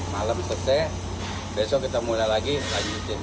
malam selesai besok kita mulai lagi lanjutin